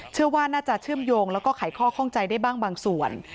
เชื่อว่าน่าจะเชื่อมโยงแล้วก็ไขข้อข้องใจได้บ้างบางส่วน